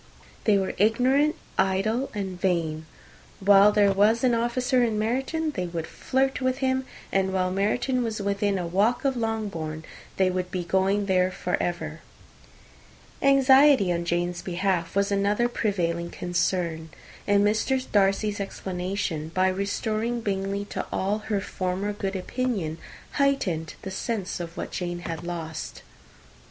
They were ignorant, idle, and vain. While there was an officer in Meryton, they would flirt with him; and while Meryton was within a walk of Longbourn, they would be going there for ever. Anxiety on Jane's behalf was another prevailing concern; and Mr. Darcy's explanation, by restoring Bingley to all her former good opinion, heightened the sense of what Jane had lost.